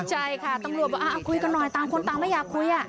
ใช่ค่ะตำรวจบอกคุยกันหน่อยต่างคนต่างไม่อยากคุย